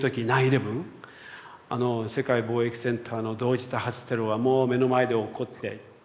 あの世界貿易センターの同時多発テロがもう目の前で起こって。